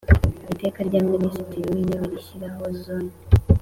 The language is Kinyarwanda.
Iteka rya Minisitiri w Intebe rishyiraho Zone